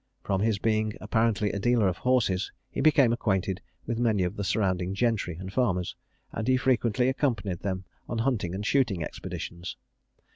From his being apparently a dealer in horses, he became acquainted with many of the surrounding gentry and farmers; and he frequently accompanied them on hunting and shooting expeditions.